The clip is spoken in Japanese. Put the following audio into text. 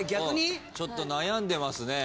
ちょっと悩んでますね。